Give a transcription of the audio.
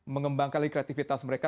mengembangkan kreatifitas mereka